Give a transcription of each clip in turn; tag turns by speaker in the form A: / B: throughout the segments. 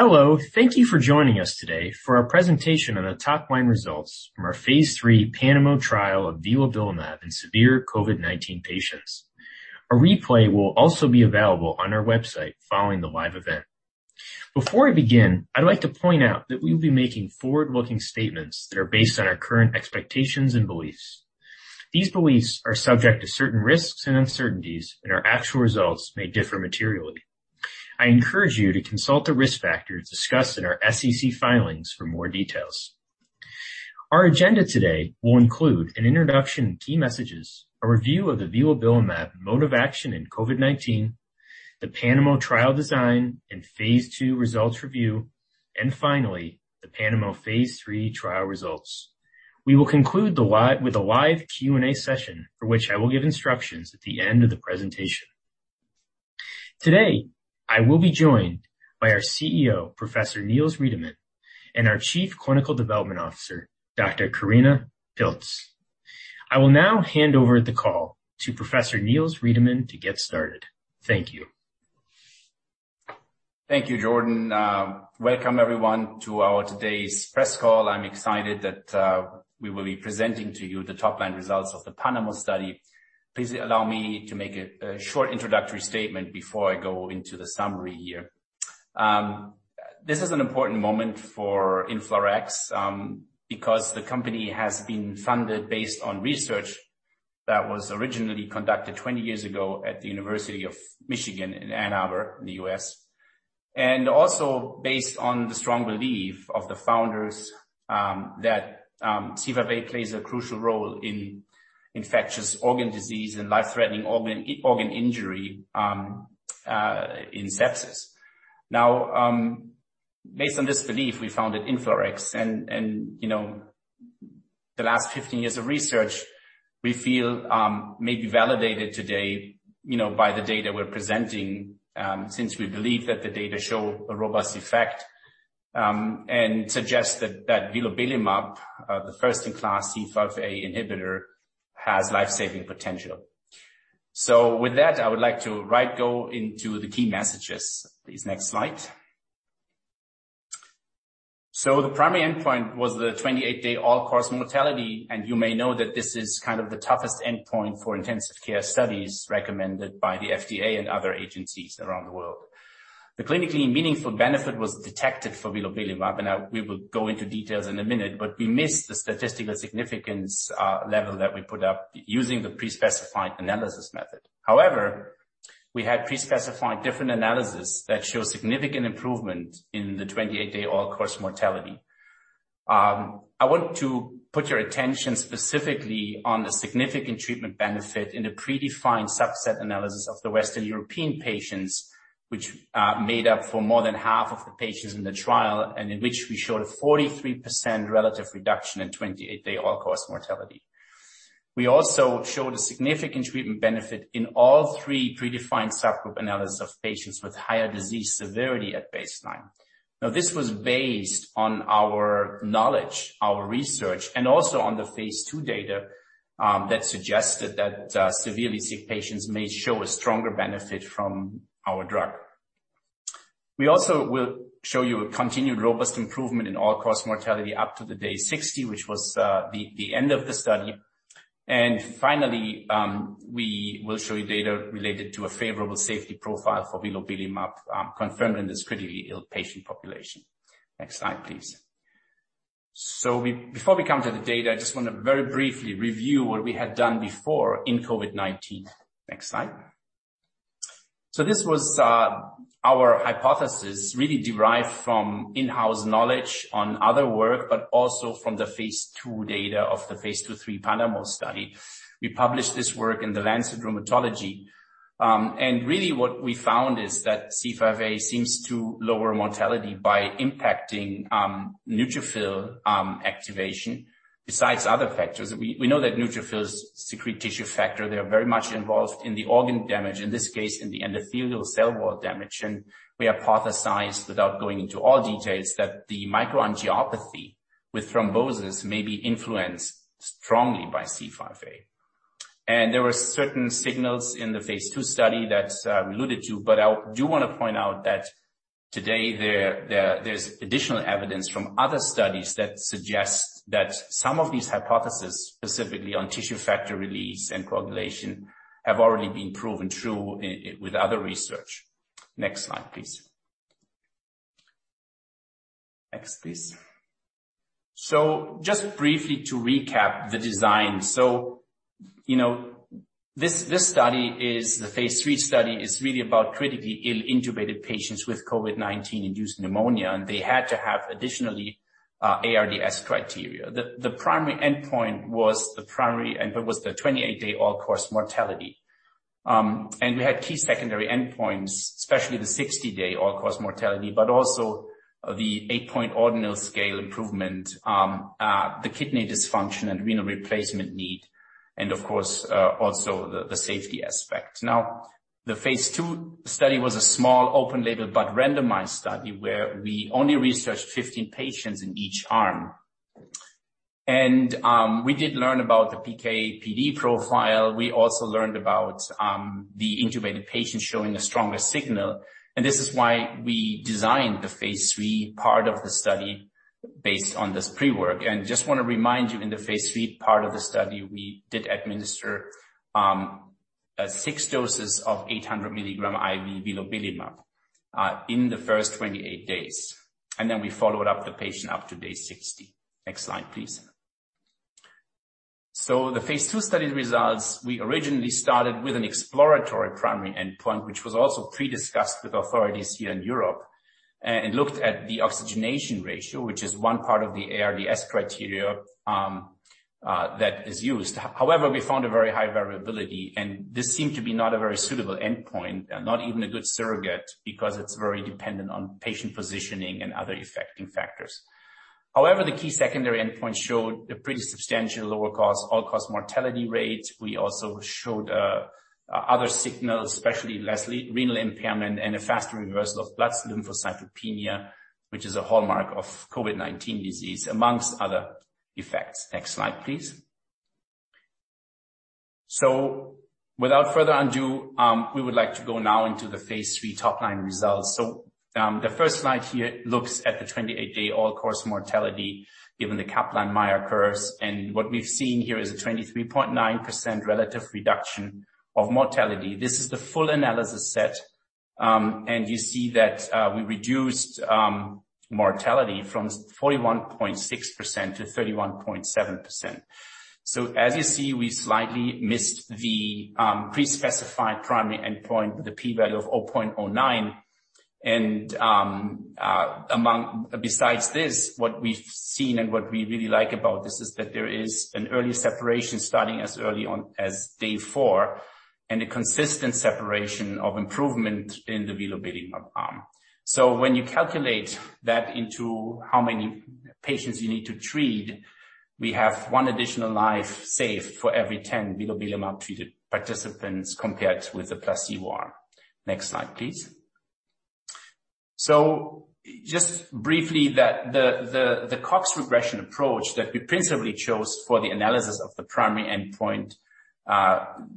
A: Hello. Thank you for joining us today for our presentation on the top line results from our phase III PANAMO trial of vilobelimab in severe COVID-19 patients. A replay will also be available on our website following the live event. Before we begin, I'd like to point out that we will be making forward-looking statements that are based on our current expectations and beliefs. These beliefs are subject to certain risks and uncertainties, and our actual results may differ materially. I encourage you to consult the risk factors discussed in our SEC filings for more details. Our agenda today will include an introduction and key messages, a review of the vilobelimab mode of action in COVID-19, the PANAMO trial design and phase II results review, and finally, the PANAMO phase III trial results. We will conclude with a live Q&A session, for which I will give instructions at the end of the presentation. Today, I will be joined by our CEO, Professor Niels Riedemann, and our Chief Clinical Development Officer, Dr. Korinna Pilz. I will now hand over the call to Professor Niels Riedemann to get started. Thank you.
B: Thank you, Jordan. Welcome everyone to today's press call. I'm excited that we will be presenting to you the top-line results of the PANAMO study. Please allow me to make a short introductory statement before I go into the summary here. This is an important moment for InflaRx, because the company has been funded based on research that was originally conducted 20 years ago at the University of Michigan in Ann Arbor, in the U.S. Also based on the strong belief of the founders, that C5a plays a crucial role in infectious organ disease and life-threatening organ injury, in sepsis. Now, based on this belief, we founded InflaRx. You know, the last 15 years of research, we feel, may be validated today, you know, by the data we're presenting, since we believe that the data show a robust effect, and suggests that vilobelimab, the first-in-class C5a inhibitor, has life-saving potential. With that, I would like to go right into the key messages. Please, next slide. The primary endpoint was the 28-day all-cause mortality, and you may know that this is kind of the toughest endpoint for intensive care studies recommended by the FDA and other agencies around the world. The clinically meaningful benefit was detected for vilobelimab, and now we will go into details in a minute, but we missed the statistical significance level that we put up using the pre-specified analysis method. However, we had pre-specified different analysis that shows significant improvement in the 28-day all-cause mortality. I want to put your attention specifically on the significant treatment benefit in the predefined subset analysis of the Western European patients, which made up for more than half of the patients in the trial, and in which we showed a 43% relative reduction in 28-day all-cause mortality. We also showed a significant treatment benefit in all three predefined subgroup analysis of patients with higher disease severity at baseline. Now, this was based on our knowledge, our research, and also on the phase II data that suggested that severely sick patients may show a stronger benefit from our drug. We also will show you a continued robust improvement in all-cause mortality up to day 60, which was the end of the study. Finally, we will show you data related to a favorable safety profile for vilobelimab, confirmed in this critically ill patient population. Next slide, please. Before we come to the data, I just want to very briefly review what we had done before in COVID-19. Next slide. This was our hypothesis really derived from in-house knowledge on other work, but also from the phase II data of the phase II/III PANAMO study. We published this work in The Lancet Rheumatology. Really what we found is that C5a seems to lower mortality by impacting neutrophil activation. Besides other factors, we know that neutrophils secrete tissue factor. They are very much involved in the organ damage, in this case, in the endothelial cell wall damage. We hypothesized, without going into all details, that the microangiopathy with thrombosis may be influenced strongly by C5a. There were certain signals in the phase II study that I alluded to, but I do wanna point out that today there's additional evidence from other studies that suggest that some of these hypotheses, specifically on tissue factor release and coagulation, have already been proven true with other research. Next slide, please. Next, please. Just briefly to recap the design. You know, this study is the phase III study, is really about critically ill intubated patients with COVID-19-induced pneumonia, and they had to have additionally ARDS criteria. The primary endpoint was the 28-day all-cause mortality. We had key secondary endpoints, especially the 60-day all-cause mortality, but also the 8-point ordinal scale improvement, the kidney dysfunction and renal replacement need, and of course, also the safety aspect. Now, the phase II study was a small open label, but randomized study where we only enrolled 15 patients in each arm. We did learn about the PK/PD profile. We also learned about the intubated patients showing a stronger signal. This is why we designed the phase III part of the study based on this pre-work. I just want to remind you, in the phase III part of the study, we did administer six doses of 800 mg IV vilobelimab in the first 28 days, and then we followed up the patient up to day 60. Next slide, please. The phase II study results, we originally started with an exploratory primary endpoint, which was also pre-discussed with authorities here in Europe, and looked at the oxygenation ratio, which is one part of the ARDS criteria, that is used. However, we found a very high variability, and this seemed to be not a very suitable endpoint and not even a good surrogate, because it's very dependent on patient positioning and other affecting factors. However, the key secondary endpoint showed a pretty substantial lower all-cause mortality rates. We also showed other signals, especially less renal impairment and a faster reversal of blood lymphocytopenia, which is a hallmark of COVID-19 disease, among other effects. Next slide, please. Without further ado, we would like to go now into the phase III top-line results. The first slide here looks at the 28-day all-cause mortality given the Kaplan-Meier curves. What we've seen here is a 23.9% relative reduction of mortality. This is the full analysis set, and you see that we reduced mortality from 41.6% to 31.7%. As you see, we slightly missed the pre-specified primary endpoint with a p-value of 0.09. Besides this, what we've seen and what we really like about this is that there is an early separation starting as early on as day four and a consistent separation of improvement in the vilobelimab arm. When you calculate that into how many patients you need to treat, we have one additional life saved for every 10 vilobelimab-treated participants compared with the placebo arm. Next slide, please. Just briefly, the Cox regression approach that we principally chose for the analysis of the primary endpoint,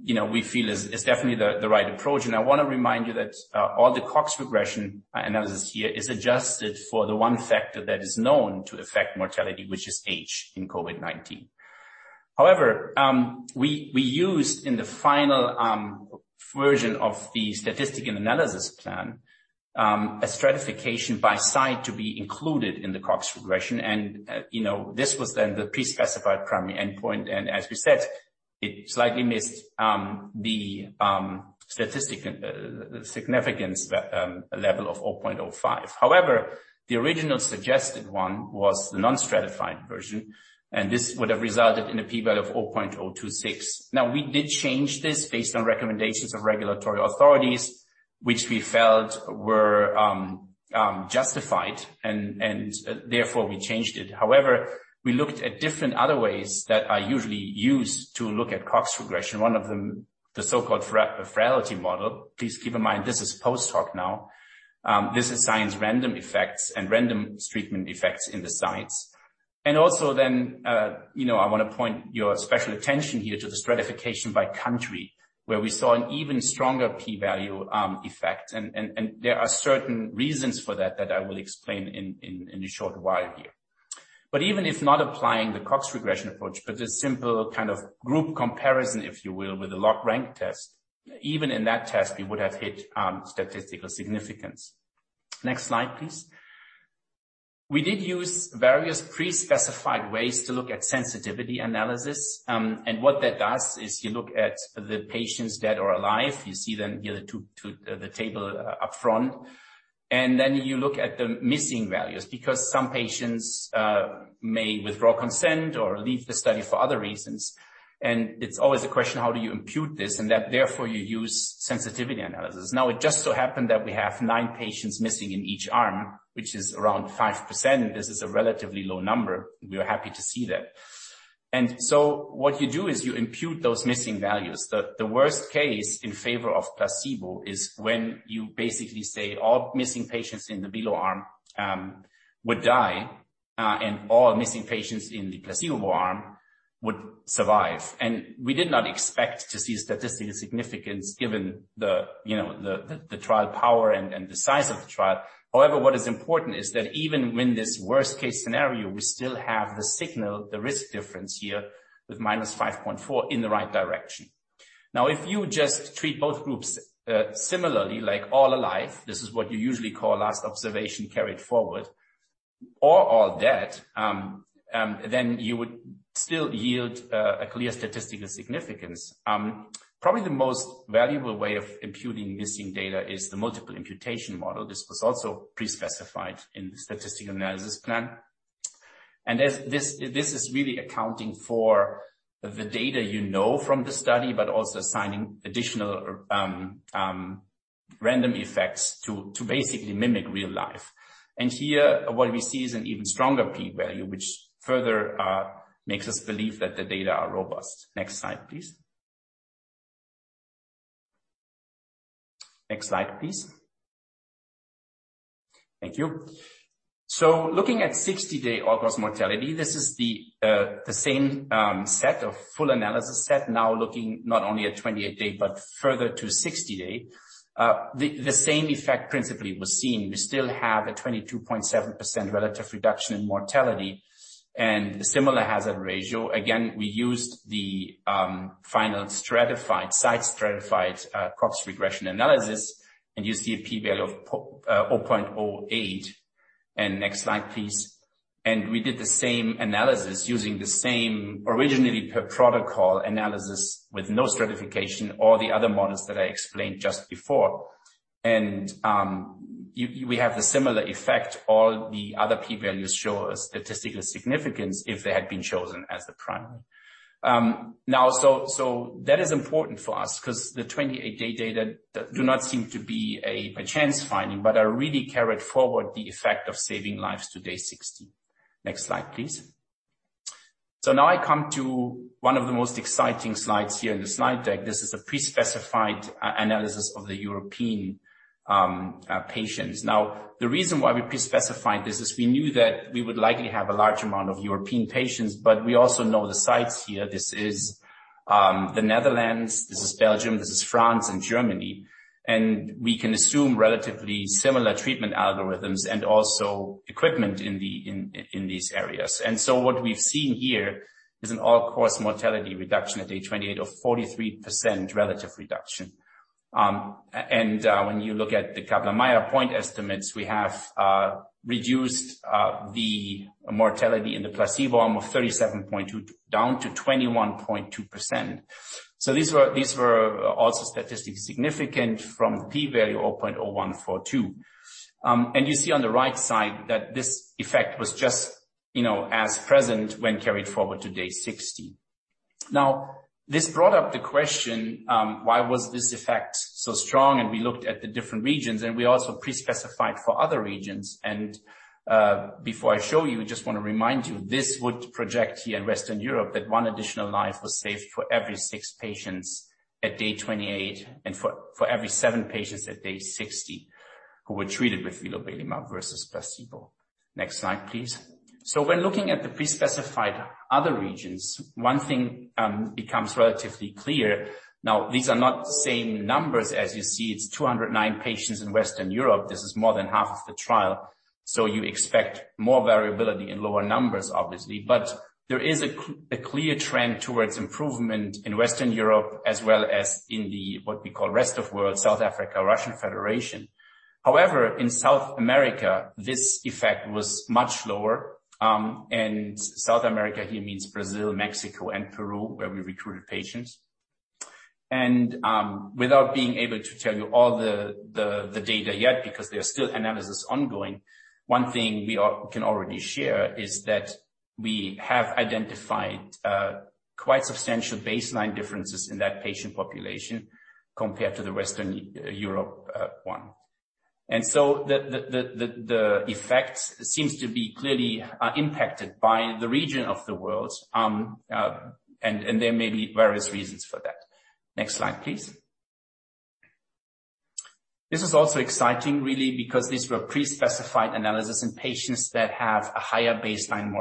B: you know, we feel is definitely the right approach. I want to remind you that all the Cox regression analysis here is adjusted for the one factor that is known to affect mortality, which is age, in COVID-19. However, we used in the final version of the statistical analysis plan a stratification by site to be included in the Cox regression. You know, this was then the pre-specified primary endpoint. As we said, it slightly missed the statistical significance level of 0.05. However, the original suggested one was the non-stratified version, and this would have resulted in a p-value of 0.026. Now, we did change this based on recommendations of regulatory authorities, which we felt were justified, and therefore we changed it. However, we looked at different other ways that are usually used to look at Cox regression. One of them, the so-called frailty model. Please keep in mind this is post-hoc now. This assigns random effects and random treatment effects in the sites. Also then, you know, I want to point your special attention here to the stratification by country, where we saw an even stronger p-value effect. There are certain reasons for that I will explain in a short while here. Even if not applying the Cox regression approach, but a simple kind of group comparison, if you will, with a log-rank test, even in that test, we would have hit statistical significance. Next slide, please. We did use various pre-specified ways to look at sensitivity analysis. What that does is you look at the patients dead or alive. You see them here, the two, the table upfront. Then you look at the missing values, because some patients may withdraw consent or leave the study for other reasons. It's always a question, how do you impute this? That therefore you use sensitivity analysis. Now, it just so happened that we have nine patients missing in each arm, which is around 5%. This is a relatively low number. We are happy to see that. What you do is you impute those missing values. The worst case in favor of placebo is when you basically say all missing patients in the vilobelimab arm would die and all missing patients in the placebo arm would survive. We did not expect to see statistical significance given the you know the trial power and the size of the trial. However, what is important is that even when this worst case scenario, we still have the signal, the risk difference here with -5.4% in the right direction. Now, if you just treat both groups similarly, like all alive, this is what you usually call last observation carried forward or all dead, then you would still yield a clear statistical significance. Probably the most valuable way of imputing missing data is the multiple imputation model. This was also pre-specified in the statistical analysis plan. As this is really accounting for the data you know from the study, but also assigning additional random effects to basically mimic real life. Here what we see is an even stronger p-value, which further makes us believe that the data are robust. Next slide, please. Thank you. Looking at 60-day all-cause mortality, this is the same full analysis set now looking not only at 28-day but further to 60-day. The same effect principally was seen. We still have a 22.7% relative reduction in mortality and a similar hazard ratio. Again, we used the final stratified, site-stratified Cox regression analysis and you see a p-value of 0.08. Next slide, please. We did the same analysis using the same originally per protocol analysis with no stratification or the other models that I explained just before. We have a similar effect. All the other p-values show a statistical significance if they had been chosen as the primary. That is important for us 'cause the 28-day data do not seem to be a chance finding, but are really carried forward the effect of saving lives to day 60. Next slide, please. Now I come to one of the most exciting slides here in the slide deck. This is a pre-specified analysis of the European patients. Now, the reason why we pre-specified this is we knew that we would likely have a large amount of European patients, but we also know the sites here. This is the Netherlands, this is Belgium, this is France and Germany, and we can assume relatively similar treatment algorithms and also equipment in these areas. What we've seen here is an all-cause mortality reduction at day 28 of 43% relative reduction. When you look at the Kaplan-Meier point estimates, we have reduced the mortality in the placebo arm of 37.2% down to 21.2%. These were also statistically significant from p-value 0.0142. You see on the right side that this effect was just, you know, as present when carried forward to day 60. Now, this brought up the question, why was this effect so strong? We looked at the different regions, and we also pre-specified for other regions. Before I show you, just wanna remind you, this would project here in Western Europe that one additional life was saved for every six patients at day 28 and for every seven patients at day 60 who were treated with vilobelimab versus placebo. Next slide, please. When looking at the pre-specified other regions, one thing becomes relatively clear. Now, these are not the same numbers. As you see, it's 209 patients in Western Europe. This is more than half of the trial. You expect more variability in lower numbers, obviously. But there is a clear trend towards improvement in Western Europe as well as in the, what we call rest of world, South Africa, Russian Federation. However, in South America, this effect was much lower. South America here means Brazil, Mexico and Peru, where we recruited patients. Without being able to tell you all the data yet, because there are still analysis ongoing, one thing we can already share is that we have identified quite substantial baseline differences in that patient population compared to the Western Europe one. The effects seems to be clearly impacted by the region of the world. There may be various reasons for that. Next slide, please. This is also exciting really because these were pre-specified analysis in patients that have a higher baseline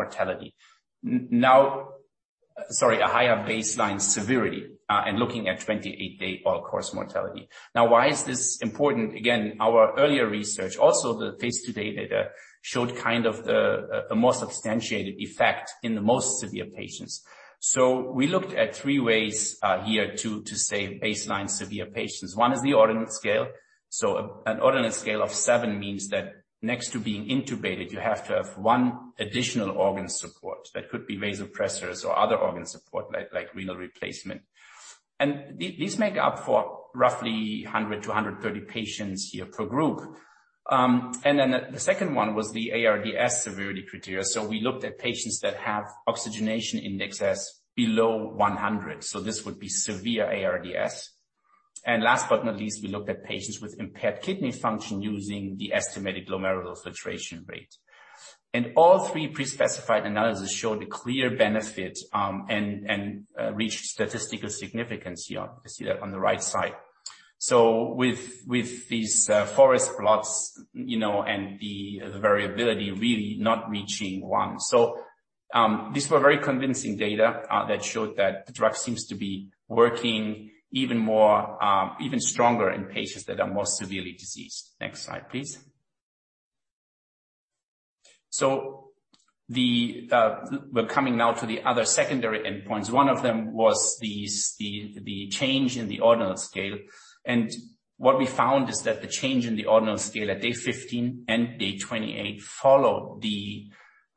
B: severity in looking at 28-day all-cause mortality. Now why is this important? Our earlier research, also the phase II data showed a more substantiated effect in the most severe patients. We looked at three ways here to say baseline severe patients. One is the ordinal scale. An ordinal scale of seven means that next to being intubated you have to have one additional organ support. That could be vasopressors or other organ support like renal replacement. These make up for roughly 100-130 patients here per group. The second one was the ARDS severity criteria. We looked at patients that have oxygenation index as below 100. This would be severe ARDS. Last but not least, we looked at patients with impaired kidney function using the estimated glomerular filtration rate. All three pre-specified analysis showed a clear benefit and reached statistical significance here. You see that on the right side. With these forest plots, you know, and the variability really not reaching one. These were very convincing data that showed that the drug seems to be working even more, even stronger in patients that are more severely diseased. Next slide, please. We're coming now to the other secondary endpoints. One of them was the change in the ordinal scale. What we found is that the change in the ordinal scale at day 15 and day 28 followed the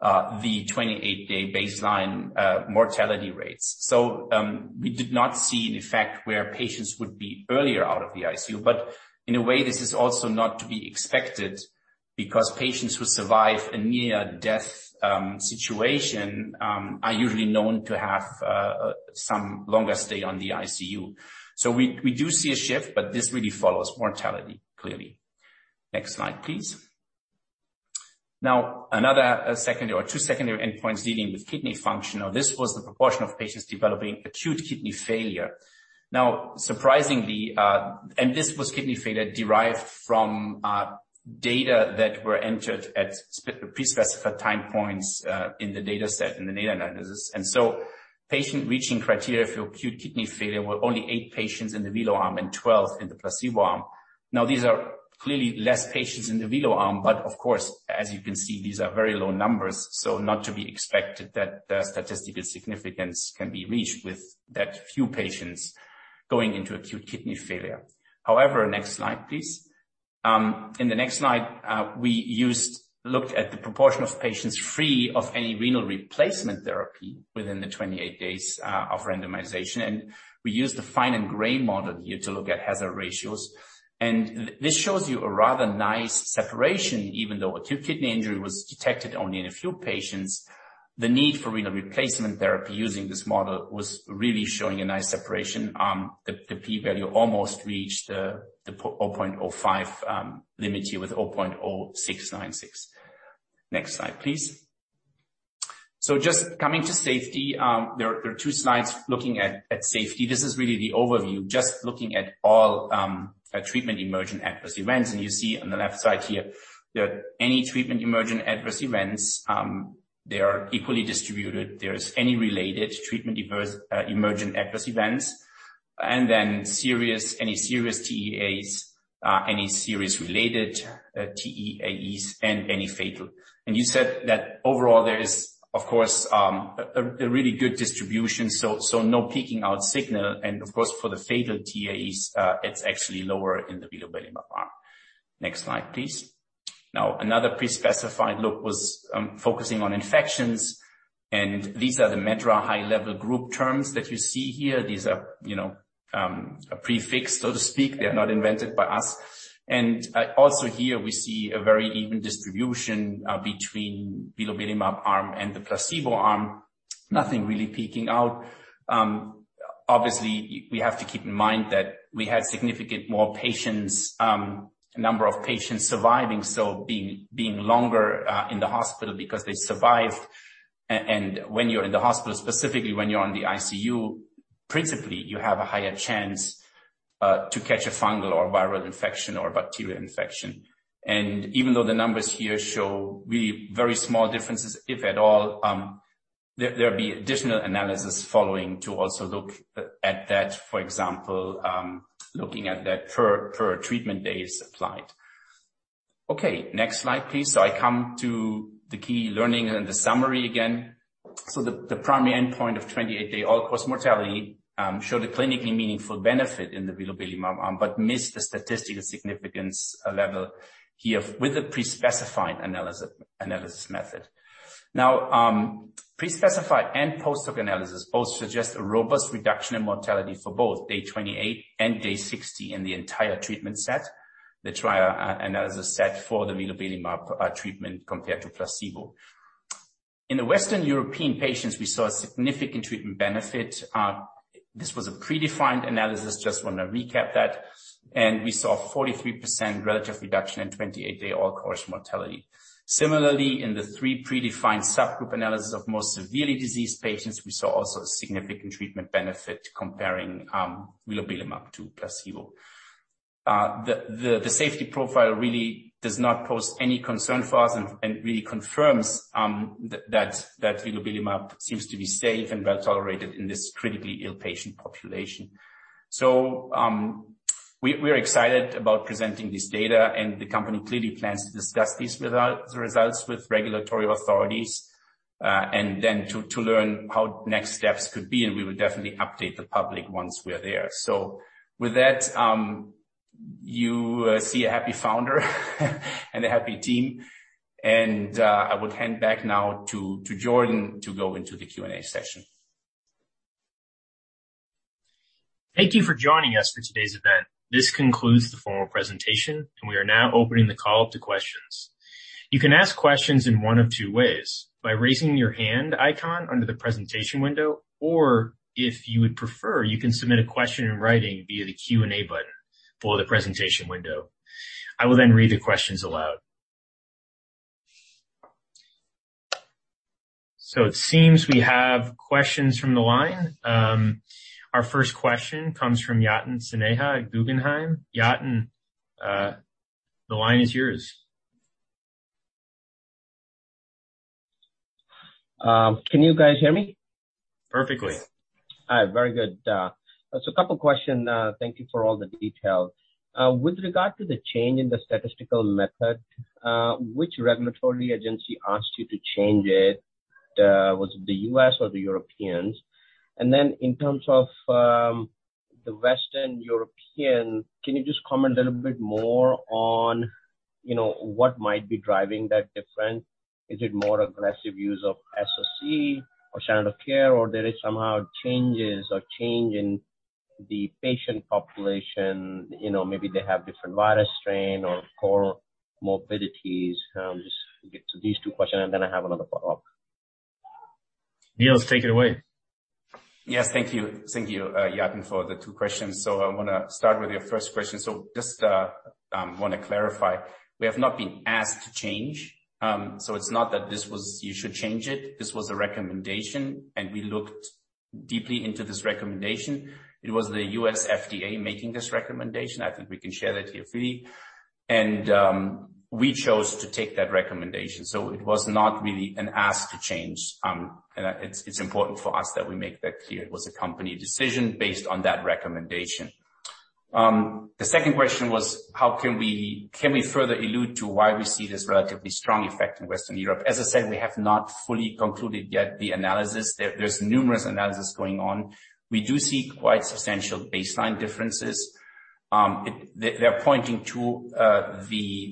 B: 28-day baseline mortality rates. We did not see an effect where patients would be earlier out of the ICU. In a way this is also not to be expected because patients who survive a near-death situation are usually known to have some longer stay on the ICU. We do see a shift, but this really follows mortality clearly. Next slide, please. Now, another, secondary or two secondary endpoints dealing with kidney function. Now this was the proportion of patients developing acute kidney failure. Now, surprisingly, and this was kidney failure derived from, data that were entered at pre-specified time points, in the data set, in the data analysis. Patient reaching criteria for acute kidney failure were only eight patients in the velo arm and 12 in the placebo arm. Now, these are clearly less patients in the velo arm, but of course, as you can see, these are very low numbers, so not to be expected that the statistical significance can be reached with that few patients going into acute kidney failure. However, next slide, please. In the next slide, we looked at the proportion of patients free of any renal replacement therapy within the 28 days of randomization. We used the Fine and Gray model here to look at hazard ratios. This shows you a rather nice separation. Even though acute kidney injury was detected only in a few patients, the need for renal replacement therapy using this model was really showing a nice separation. The P value almost reached the 0.05 limit here with 0.0696. Next slide, please. Just coming to safety, there are two slides looking at safety. This is really the overview, just looking at all treatment-emergent adverse events. You see on the left side here that any treatment emergent adverse events, they are equally distributed. There is any related treatment emergent adverse events, and then serious, any serious TEAEs, any serious related, TEAEs and any fatal. You said that overall there is of course, a really good distribution, so no peaking out signal. Of course, for the fatal TEAEs, it's actually lower in the vilobelimab arm. Next slide, please. Now, another pre-specified look was focusing on infections, and these are the MedDRA high-level group terms that you see here. These are, you know, a prefix, so to speak. They are not invented by us. Also here we see a very even distribution between vilobelimab arm and the placebo arm. Nothing really peaking out. Obviously we have to keep in mind that we had significant more patients, number of patients surviving, so being longer in the hospital because they survived. And when you're in the hospital, specifically when you're on the ICU, principally, you have a higher chance to catch a fungal or viral infection or a bacterial infection. Even though the numbers here show really very small differences, if at all, there'll be additional analysis following to also look at that. For example, looking at that per treatment days applied. Okay, next slide, please. I come to the key learning and the summary again. The primary endpoint of 28-day all-cause mortality showed a clinically meaningful benefit in the vilobelimab arm but missed the statistical significance level here with the pre-specified analysis method. Now, prespecified and post hoc analysis both suggest a robust reduction in mortality for both day 28 and day 60 in the entire treatment set, the trial analysis set for the vilobelimab treatment compared to placebo. In the Western European patients, we saw a significant treatment benefit. This was a predefined analysis, just want to recap that. We saw 43% relative reduction in 28-day all-cause mortality. Similarly, in the three predefined subgroup analysis of more severely diseased patients, we saw also significant treatment benefit comparing vilobelimab to placebo. The safety profile really does not pose any concern for us and really confirms that vilobelimab seems to be safe and well-tolerated in this critically ill patient population. We are excited about presenting this data, and the company clearly plans to discuss these results with regulatory authorities, and then to learn how next steps could be, and we will definitely update the public once we are there. With that, you see a happy founder and a happy team. I would hand back now to Jordan to go into the Q&A session.
A: Thank you for joining us for today's event. This concludes the formal presentation, and we are now opening the call up to questions. You can ask questions in one of two ways. By raising your hand icon under the presentation window, or if you would prefer, you can submit a question in writing via the Q&A button below the presentation window. I will then read the questions aloud. It seems we have questions from the line. Our first question comes from Yatin Suneja at Guggenheim. Yatin, the line is yours.
C: Can you guys hear me?
A: Perfectly.
C: All right. Very good. A couple questions. Thank you for all the details. With regard to the change in the statistical method, which regulatory agency asked you to change it? Was it the U.S. or the Europeans? In terms of the Western European, can you just comment a little bit more on, you know, what might be driving that difference? Is it more aggressive use of SOC or standard of care, or there is somehow changes or change in the patient population? You know, maybe they have different virus strain or core morbidities. Just get to these two questions, and then I have another follow-up.
A: Niels, take it away.
B: Yes. Thank you, Yatin, for the two questions. I wanna start with your first question. Just wanna clarify, we have not been asked to change. It's not that this was you should change it. This was a recommendation, and we looked deeply into this recommendation. It was the U.S. FDA making this recommendation. I think we can share that here freely. We chose to take that recommendation. It was not really an ask to change. It's important for us that we make that clear. It was a company decision based on that recommendation. The second question was, how can we further allude to why we see this relatively strong effect in Western Europe? As I said, we have not fully concluded yet the analysis. There's numerous analysis going on. We do see quite substantial baseline differences. They are pointing to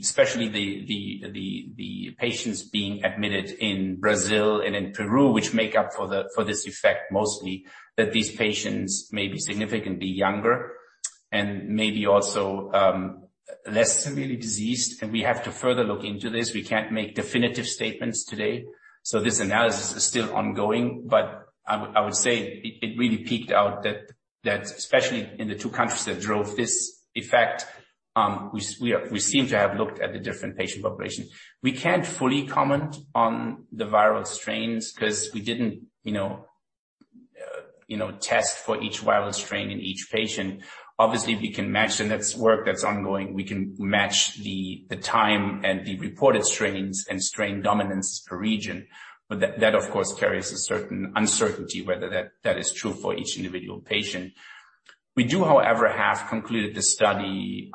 B: especially the patients being admitted in Brazil and in Peru, which make up for this effect mostly, that these patients may be significantly younger and may be also less severely diseased. We have to further look into this. We can't make definitive statements today. This analysis is still ongoing, but I would say it really points out that especially in the two countries that drove this effect, we seem to have looked at different patient populations. We can't fully comment on the viral strains 'cause we didn't test for each viral strain in each patient. Obviously, if we can match, and that's work that's ongoing, we can match the time and the reported strains and strain dominance per region. That of course carries a certain uncertainty whether that is true for each individual patient. We do, however, have concluded the study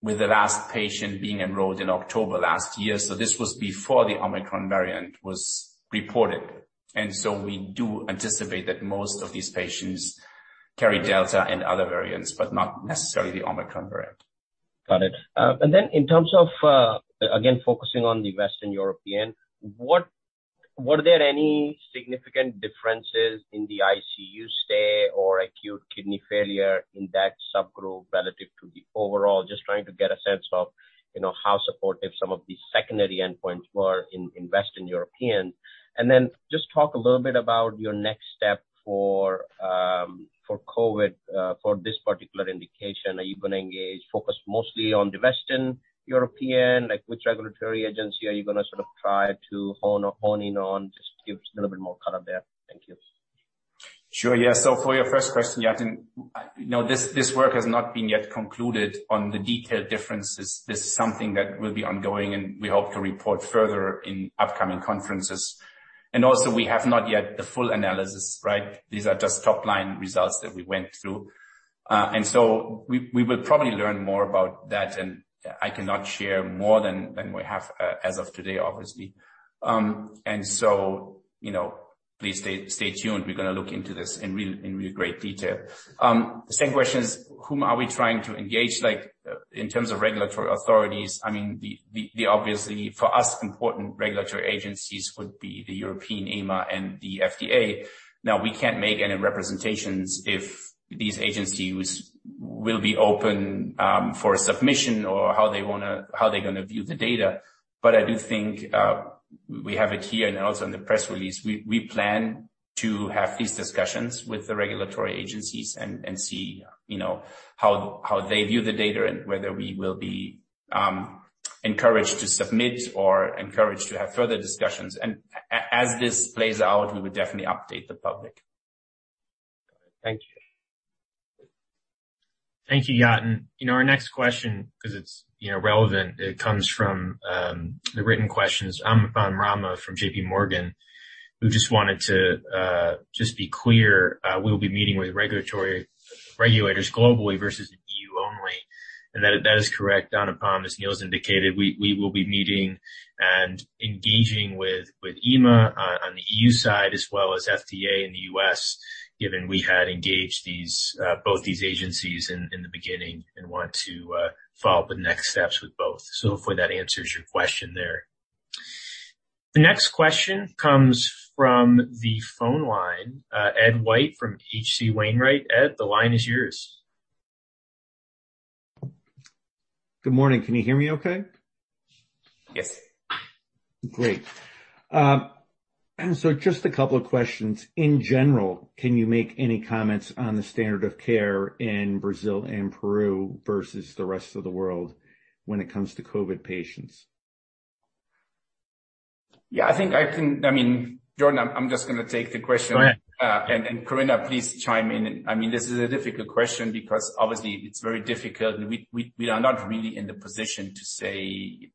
B: with the last patient being enrolled in October last year, so this was before the Omicron variant was reported. We do anticipate that most of these patients carry Delta and other variants, but not necessarily the Omicron variant.
C: Got it. And then in terms of, again, focusing on the Western European, were there any significant differences in the ICU stay or acute kidney failure in that subgroup relative to the overall? Just trying to get a sense of, you know, how supportive some of these secondary endpoints were in Western European. Just talk a little bit about your next step for COVID, for this particular indication. Are you gonna engage focus mostly on the Western European? Like, which regulatory agency are you gonna sort of try to hone in on? Just give a little bit more color there. Thank you.
B: Sure. Yeah. For your first question, Yatin, you know, this work has not been yet concluded on the detailed differences. This is something that will be ongoing, and we hope to report further in upcoming conferences. Also, we have not yet the full analysis, right? These are just top-line results that we went through. We will probably learn more about that, and I cannot share more than we have, as of today, obviously. You know, please stay tuned. We're gonna look into this in real great detail. The second question is, whom are we trying to engage, like, in terms of regulatory authorities? I mean, the obviously for us important regulatory agencies would be the European EMA and the FDA. Now, we can't make any representations if these agencies will be open for submission or how they're gonna view the data. I do think we have it here and also in the press release, we plan to have these discussions with the regulatory agencies and see you know how they view the data and whether we will be encouraged to submit or encouraged to have further discussions. As this plays out, we would definitely update the public.
C: Thank you.
A: Thank you, Yatin. You know, our next question, 'cause it's, you know, relevant, it comes from the written questions. Anupam Rama from JPMorgan, who just wanted to just be clear, we'll be meeting with regulators globally versus EU only. That is correct. Anupam, as Niels indicated, we will be meeting and engaging with EMA on the EU side as well as FDA in the U.S., given we had engaged both these agencies in the beginning and want to follow up the next steps with both. Hopefully that answers your question there. The next question comes from the phone line. Ed White from H.C. Wainwright. Ed, the line is yours.
D: Good morning. Can you hear me okay?
A: Yes.
D: Great. Just a couple of questions. In general, can you make any comments on the standard of care in Brazil and Peru versus the rest of the world when it comes to COVID patients?
B: Yeah, I think I can. I mean, Jordan, I'm just gonna take the question.
A: Go ahead.
B: Korinna, please chime in. I mean, this is a difficult question because obviously it's very difficult, and we are not really in the position to say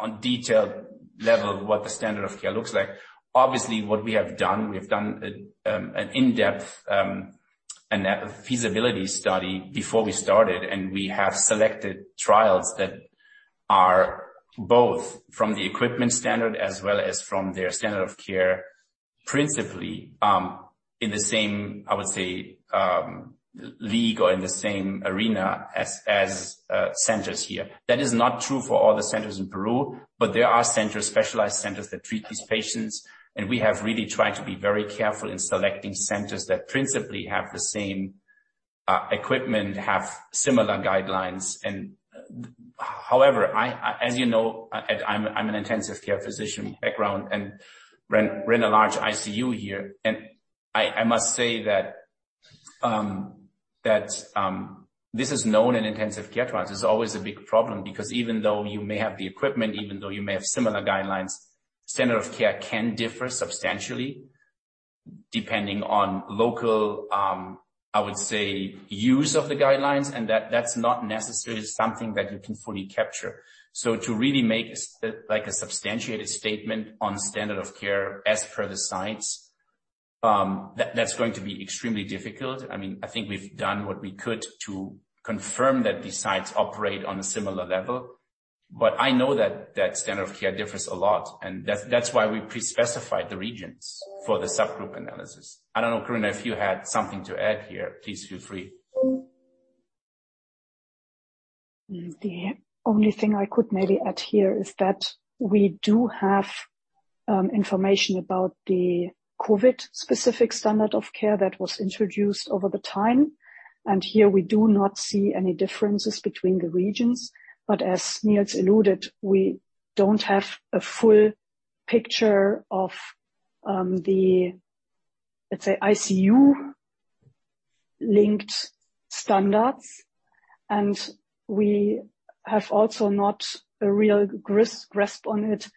B: on a detailed level what the standard of care looks like. Obviously, what we have done is an in-depth feasibility study before we started, and we have selected trials that are both from the equivalent standard as well as from their standard of care, principally in the same, I would say, league or in the same arena as centers here. That is not true for all the centers in Peru, but there are centers, specialized centers that treat these patients, and we have really tried to be very careful in selecting centers that principally have the same equipment and have similar guidelines. However, as you know, I have an intensive care physician background and I run a large ICU here. I must say that this is known in intensive care trials. It's always a big problem because even though you may have the equipment, even though you may have similar guidelines, standard of care can differ substantially depending on local, I would say, use of the guidelines, and that's not necessarily something that you can fully capture. To really make a substantiated statement on standard of care as per the sites, that's going to be extremely difficult. I mean, I think we've done what we could to confirm that these sites operate on a similar level, but I know that standard of care differs a lot, and that's why we pre-specified the regions for the subgroup analysis. I don't know, Korinna, if you had something to add here, please feel free.
E: The only thing I could maybe add here is that we do have information about the COVID-specific standard of care that was introduced over the time, and here we do not see any differences between the regions. As Niels alluded, we don't have a full picture of the, let's say, ICU-linked standards, and we have also not a real grasp on it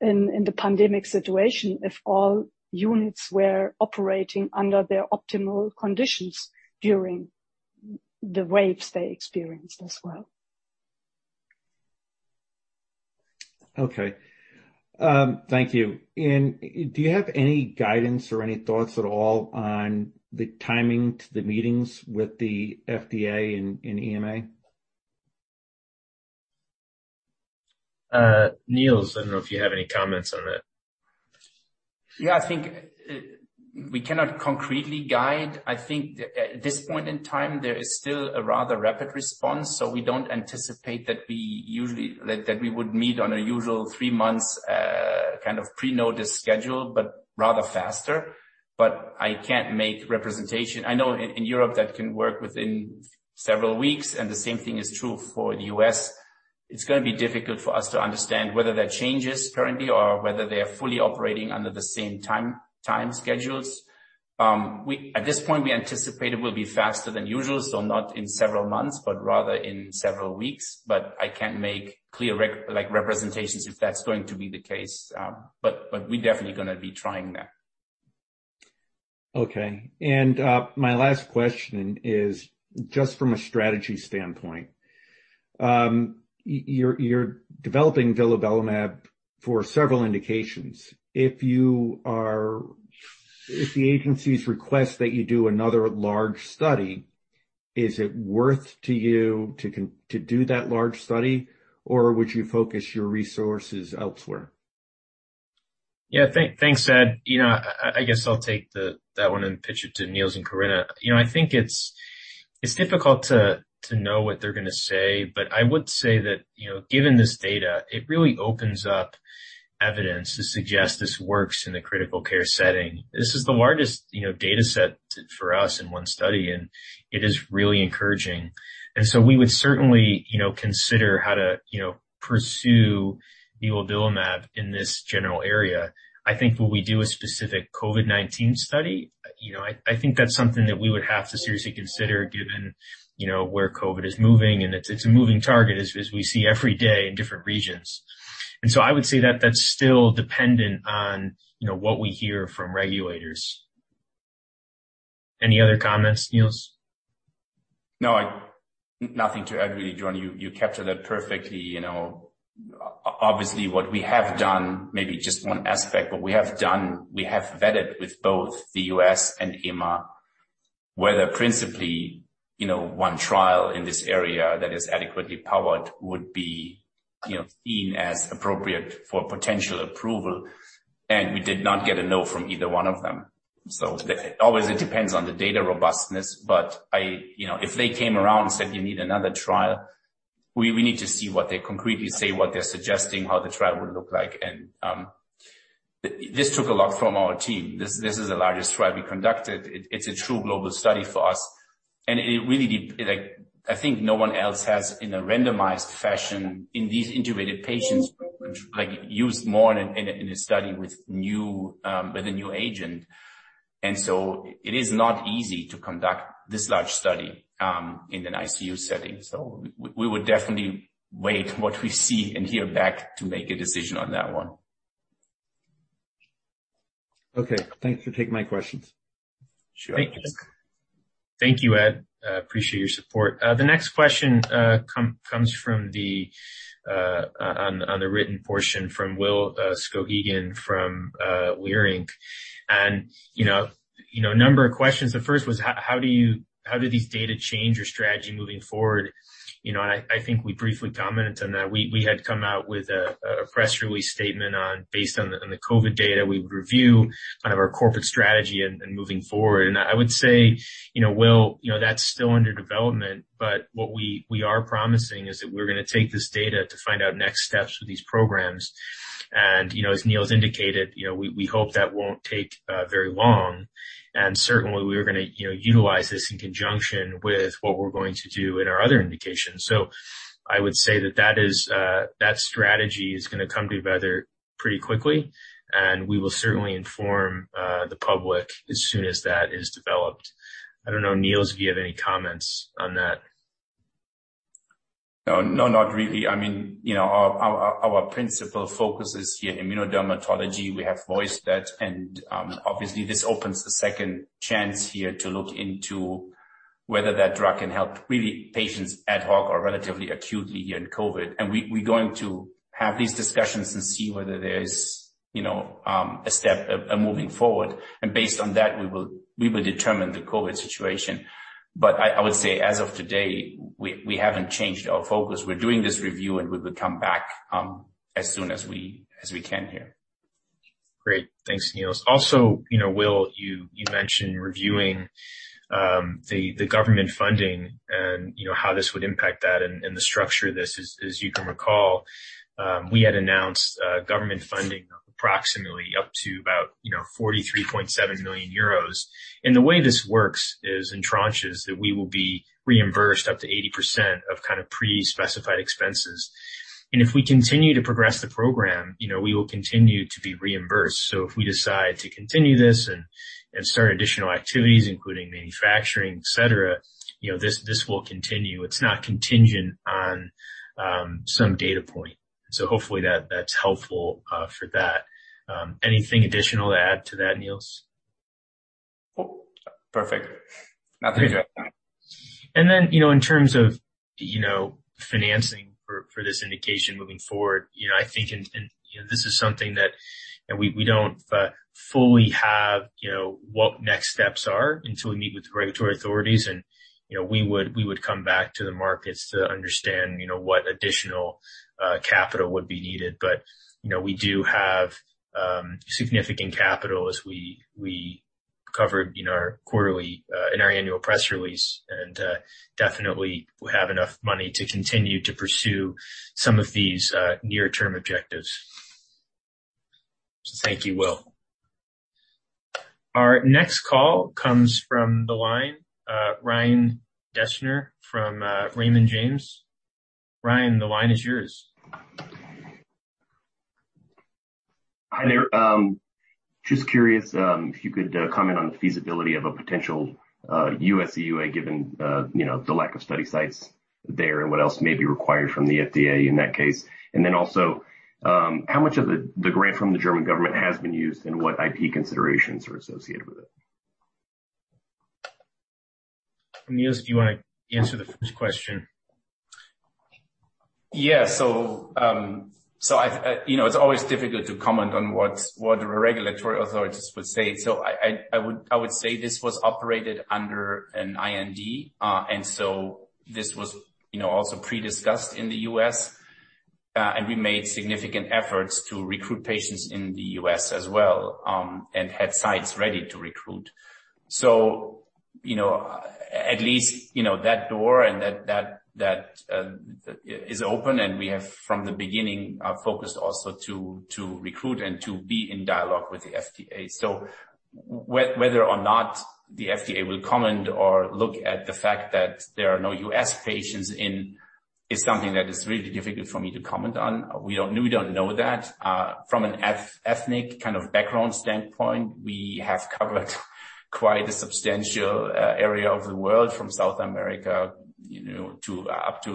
E: in the pandemic situation if all units were operating under their optimal conditions during the waves they experienced as well.
D: Okay. Thank you. Do you have any guidance or any thoughts at all on the timing to the meetings with the FDA and EMA?
A: Niels, I don't know if you have any comments on that.
B: Yeah, I think we cannot concretely guide. I think at this point in time, there is still a rather rapid response, so we don't anticipate like, that we would meet on a usual three months kind of pre-notice schedule, but rather faster. But I can't make representations. I know in Europe that can work within several weeks, and the same thing is true for the U.S. It's gonna be difficult for us to understand whether that changes currently or whether they are fully operating under the same time schedules. At this point, we anticipate it will be faster than usual, so not in several months, but rather in several weeks. But I can't make clear like representations if that's going to be the case. But we definitely gonna be trying that.
D: Okay. My last question is just from a strategy standpoint. You're developing vilobelimab for several indications. If the agencies request that you do another large study, is it worth to you to do that large study, or would you focus your resources elsewhere?
A: Yeah. Thanks, Ed. You know, I guess I'll take that one and pitch it to Niels and Korinna. You know, I think it's difficult to know what they're gonna say, but I would say that, you know, given this data, it really opens up evidence to suggest this works in a critical care setting. This is the largest, you know, data set for us in one study, and it is really encouraging. We would certainly, you know, consider how to, you know, pursue vilobelimab in this general area. I think, will we do a specific COVID-19 study? You know, I think that's something that we would have to seriously consider given, you know, where COVID is moving, and it's a moving target as we see every day in different regions. I would say that that's still dependent on, you know, what we hear from regulators. Any other comments, Niels?
B: No, nothing to add, really, Jordan. You captured that perfectly. You know, obviously what we have done, maybe just one aspect, but we have vetted with both the U.S. and EMA whether principally, you know, one trial in this area that is adequately powered would be, you know, seen as appropriate for potential approval, and we did not get a no from either one of them. Always it depends on the data robustness. But you know, if they came around and said, "You need another trial," we need to see what they concretely say, what they're suggesting, how the trial would look like. This took a lot from our team. This is the largest trial we conducted. It's a true global study for us. It really, like, I think no one else has, in a randomized fashion, in these intubated patients, like, used more in a study with a new agent. It is not easy to conduct this large study in an ICU setting. We would definitely wait and see what we hear back to make a decision on that one.
D: Okay. Thanks for taking my questions.
B: Sure.
A: Thank you, Ed. I appreciate your support. The next question comes from the written portion from Will Soghikian from Leerink. You know, a number of questions. The first was, how do these data change your strategy moving forward? You know, I think we briefly commented on that. We had come out with a press release statement based on the COVID data we would review kind of our corporate strategy and moving forward. I would say, you know, Joseph, you know, that's still under development, but what we are promising is that we're gonna take this data to find out next steps for these programs. You know, as Niels indicated, you know, we hope that won't take very long. Certainly we are gonna, you know, utilize this in conjunction with what we're going to do in our other indications. I would say that strategy is gonna come together pretty quickly, and we will certainly inform the public as soon as that is developed. I don't know, Niels, if you have any comments on that.
B: No, not really. I mean, you know, our principal focus is here in immunodermatology. We have voiced that and obviously this opens a second chance here to look into whether that drug can help real patients ad hoc or relatively acutely here in COVID. We're going to have these discussions and see whether there's a step, a moving forward. Based on that, we will determine the COVID situation. I would say as of today, we haven't changed our focus. We're doing this review, and we will come back as soon as we can here.
A: Great. Thanks, Niels. Also, you know, Will, you mentioned reviewing the government funding and, you know, how this would impact that and the structure of this. As you can recall, we had announced government funding approximately up to about, you know, 43.7 million euros. The way this works is in tranches that we will be reimbursed up to 80% of kind of pre-specified expenses. If we continue to progress the program, you know, we will continue to be reimbursed. If we decide to continue this and start additional activities, including manufacturing, et cetera, you know, this will continue. It's not contingent on some data point. Hopefully that's helpful for that. Anything additional to add to that, Niels?
B: Oh, perfect. Nothing further.
A: You know, in terms of financing for this indication moving forward, you know, I think and you know, this is something that you know, we don't fully have what next steps are until we meet with the regulatory authorities and you know, we would come back to the markets to understand what additional capital would be needed. You know, we do have significant capital as we covered in our quarterly, in our annual press release, and definitely we have enough money to continue to pursue some of these near-term objectives. Thank you, Will. Our next call comes from the line, Ryan Deschner from Raymond James. Ryan, the line is yours.
F: Hi there. Just curious, if you could comment on the feasibility of a potential U.S. EUA given you know the lack of study sites there and what else may be required from the FDA in that case. Also, how much of the grant from the German government has been used and what IP considerations are associated with it?
A: Niels, do you wanna answer the first question?
B: Yeah. You know, it's always difficult to comment on what the regulatory authorities would say. I would say this was operated under an IND, and this was also pre-discussed in the U.S. We made significant efforts to recruit patients in the U.S. as well, and had sites ready to recruit. You know, at least that door and that is open, and we have from the beginning focused also to recruit and to be in dialogue with the FDA. Whether or not the FDA will comment or look at the fact that there are no U.S. patients in it is something that is really difficult for me to comment on. We don't know that. From an ethnic kind of background standpoint, we have covered quite a substantial area of the world from South America, you know, to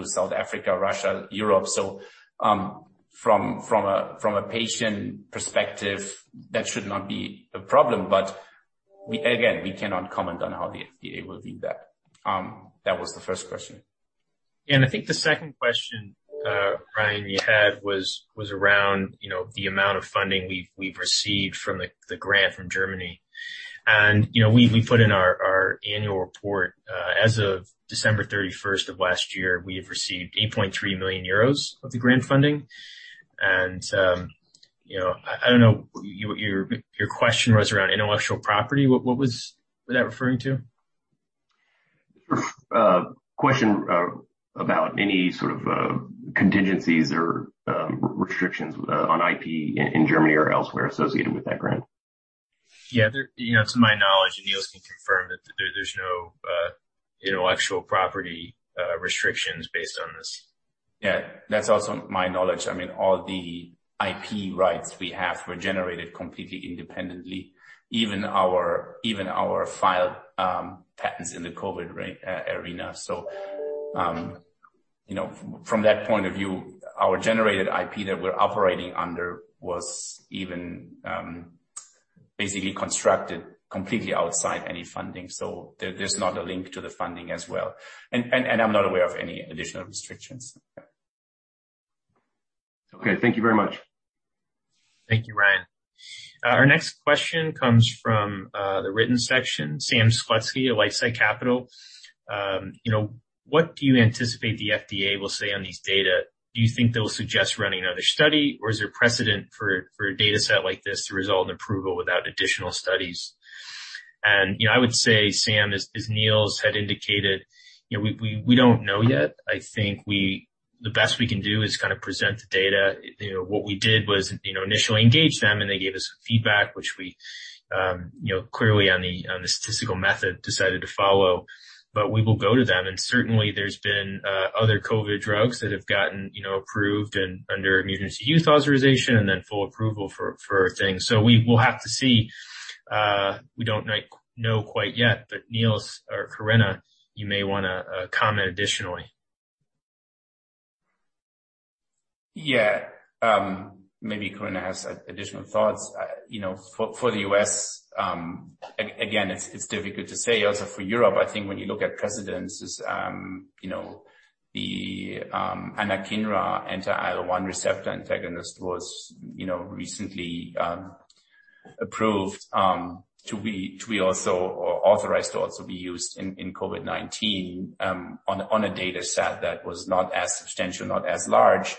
B: South Africa, Russia, Europe. From a patient perspective, that should not be a problem. We cannot comment on how the FDA will view that. That was the first question.
A: I think the second question, Ryan, you had was around, you know, the amount of funding we've received from the grant from Germany. You know, we put in our annual report, as of December 31st of last year, we have received 8.3 million euros of the grant funding. You know, I don't know what your question was around intellectual property. What was that referring to?
F: Question about any sort of contingencies or restrictions on IP in Germany or elsewhere associated with that grant?
A: Yeah. There you know, to my knowledge, and Niels can confirm that there's no intellectual property restrictions based on this.
B: Yeah. That's also my knowledge. I mean, all the IP rights we have were generated completely independently, even our filed patents in the COVID arena. You know, from that point of view, our generated IP that we're operating under was even basically constructed completely outside any funding. There's not a link to the funding as well. I'm not aware of any additional restrictions. Yeah.
F: Okay. Thank you very much.
A: Thank you, Ryan. Our next question comes from the written section, Sam Slutsky at LifeSci Capital. You know, what do you anticipate the FDA will say on these data? Do you think they'll suggest running another study, or is there precedent for a data set like this to result in approval without additional studies? You know, I would say, Sam, as Niels had indicated, you know, we don't know yet. The best we can do is kind of present the data. You know, what we did was, you know, initially engage them and they gave us feedback, which we you know clearly on the statistical method decided to follow. We will go to them and certainly there's been other COVID drugs that have gotten, you know, approved and under emergency use authorization and then full approval for things. We will have to see. We don't know quite yet, but Niels or Korinna, you may wanna comment additionally.
B: Yeah. Maybe Corinna has additional thoughts. You know, for the U.S., again, it's difficult to say. Also for Europe, I think when you look at precedents, you know, the anakinra anti-IL-1 receptor antagonist was, you know, recently approved to be also or authorized to also be used in COVID-19 on a dataset that was not as substantial, not as large,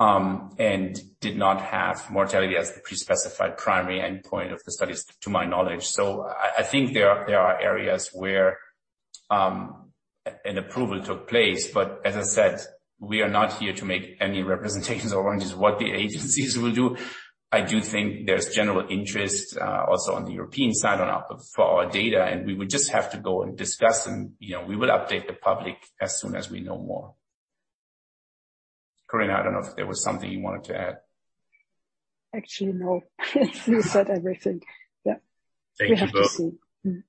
B: and did not have mortality as the pre-specified primary endpoint of the studies to my knowledge. I think there are areas where an approval took place. As I said, we are not here to make any representations or warranties what the agencies will do. I do think there's general interest, also on the European side for our data, and we would just have to go and discuss and, you know, we would update the public as soon as we know more. Korinna, I don't know if there was something you wanted to add.
E: Actually, no. You said everything. Yeah.
A: Thank you both.
E: We have to see.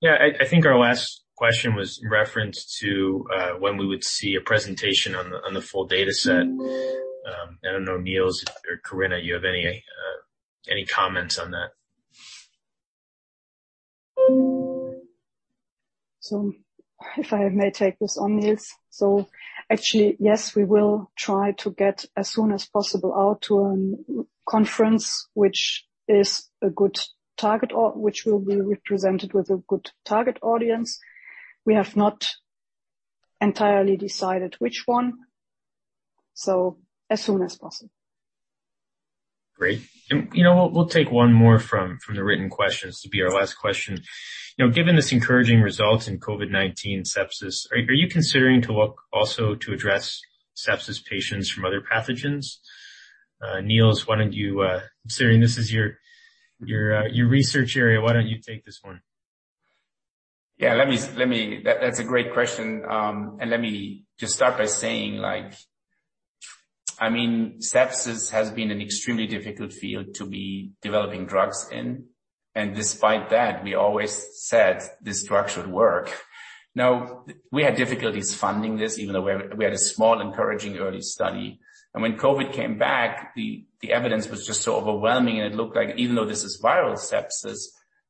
A: Yeah. I think our last question was in reference to when we would see a presentation on the full dataset. I don't know, Niels or Korinna, you have any comments on that?
E: If I may take this on, Niels. Actually, yes, we will try to get as soon as possible out to a conference which will be represented with a good target audience. We have not entirely decided which one. As soon as possible.
A: Great. You know what, we'll take one more from the written questions to be our last question. You know, given this encouraging results in COVID-19 sepsis, are you considering to look also to address sepsis patients from other pathogens? Niels, why don't you considering this is your research area, why don't you take this one?
B: Yeah, that's a great question. Let me just start by saying like, I mean, sepsis has been an extremely difficult field to be developing drugs in. Despite that, we always said this drug should work. Now, we had difficulties funding this even though we had a small encouraging early study. When COVID-19 came back, the evidence was just so overwhelming, and it looked like even though this is viral sepsis,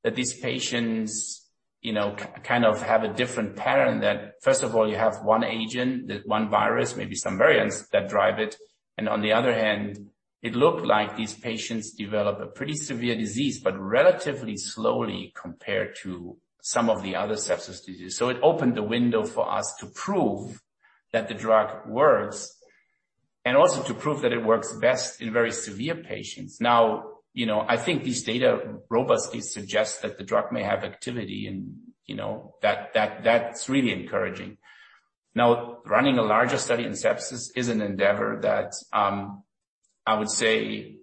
B: that these patients, you know, kind of have a different pattern that first of all, you have one agent, the one virus, maybe some variants that drive it. On the other hand, it looked like these patients develop a pretty severe disease, but relatively slowly compared to some of the other sepsis diseases. It opened the window for us to prove that the drug works, and also to prove that it works best in very severe patients. Now, you know, I think these data robustly suggests that the drug may have activity and, you know, that's really encouraging. Now, running a larger study in sepsis is an endeavor that, I would say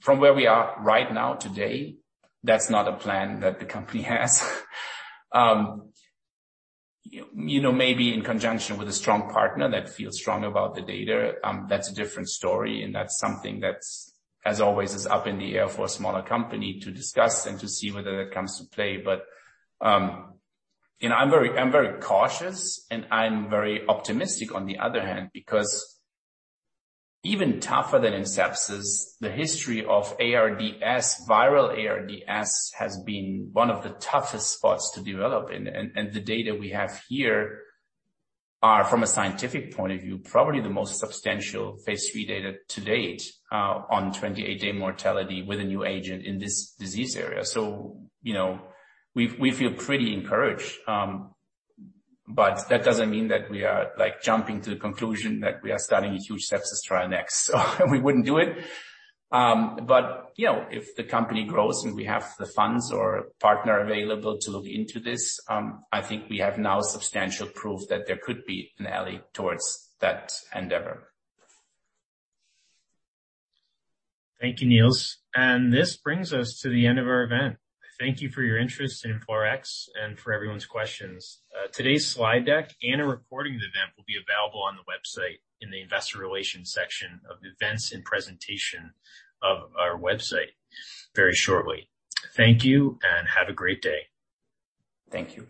B: from where we are right now today, that's not a plan that the company has. You know, maybe in conjunction with a strong partner that feels strong about the data, that's a different story, and that's something that's as always is up in the air for a smaller company to discuss and to see whether that comes to play. You know, I'm very cautious and I'm very optimistic on the other hand, because even tougher than in sepsis, the history of ARDS, viral ARDS has been one of the toughest spots to develop in. The data we have here are, from a scientific point of view, probably the most substantial phase III data to date on 28-day mortality with a new agent in this disease area. You know, we feel pretty encouraged. That doesn't mean that we are like jumping to the conclusion that we are starting a huge sepsis trial next. We wouldn't do it. You know, if the company grows and we have the funds or a partner available to look into this, I think we have now substantial proof that there could be a way towards that endeavor.
A: Thank you, Niels. This brings us to the end of our event. Thank you for your interest in InflaRx and for everyone's questions. Today's slide deck and a recording of the event will be available on the website in the investor relations section of Events and Presentations of our website very shortly. Thank you and have a great day.
B: Thank you.